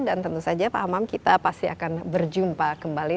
dan tentu saja pak hamam kita pasti akan berjumpa kembali